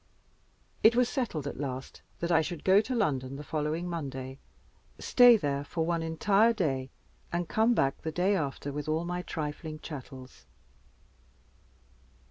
It was settled at last that I should go to London the following Monday, stay there one entire day, and come back the day after with all my trifling chattels.